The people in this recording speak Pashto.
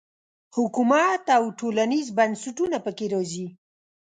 حکومت او ټولنیز بنسټونه په کې راځي.